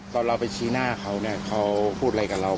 ตอนเราไปชี้หน้าเขาเนี่ยเขาพูดอะไรกับเรา